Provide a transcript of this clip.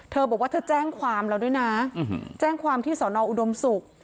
เธอบอกว่าเธอแจ้งความแล้วด้วยนะแจ้งความที่สอนออุดมศุกร์